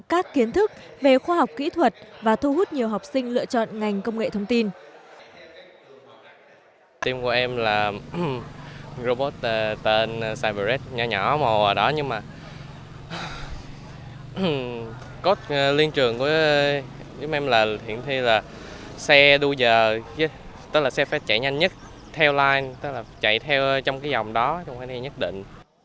các kiến thức về khoa học kỹ thuật và thu hút nhiều học sinh lựa chọn ngành công nghệ thông tin